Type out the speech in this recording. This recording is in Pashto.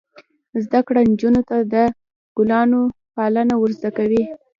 زده کړه نجونو ته د ګلانو پالنه ور زده کوي.